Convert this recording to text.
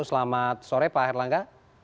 selamat sore pak harlangga